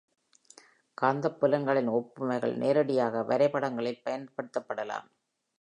காந்தப்புலங்களின் ஒப்புமைகள் நேரடியாக வரைபடங்களில் பயன்படுத்தப்படலாம்.